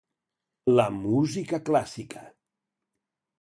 La música clàssica.